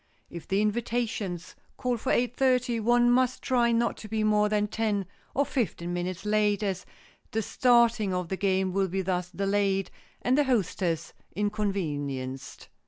If the invitations call for eight thirty, one must try not to be more than ten or fifteen minutes late, as the starting of the game will be thus delayed and the hostess inconvenienced.